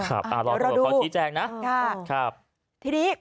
ครับตอนนี้ก็พอชี้แจงนะครับแล้วเราดูที่นี้